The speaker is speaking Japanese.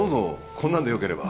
こんなんでよければ。